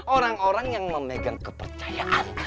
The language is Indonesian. orang orang yang memegang kepercayaan